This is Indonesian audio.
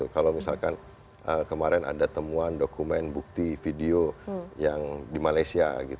kalau misalkan kemarin ada temuan dokumen bukti video yang di malaysia